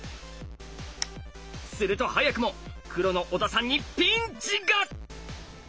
すると早くも黒の小田さんにピンチが！